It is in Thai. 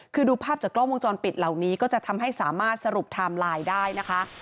คือดูภาพจากกล้องวงจรปิดเหล่านี้ก็จะทำให้สามารถสรุปไทม์ไลน์ได้นะคะ